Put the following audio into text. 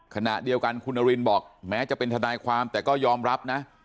ขณะเดียวกันคุณนารินบอกแม้จะเป็นทนายความแต่ก็ยอมรับนะ